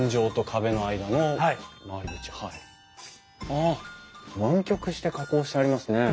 ああ湾曲して加工してありますね。